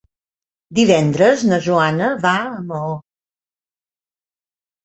Divendres na Joana va a Maó.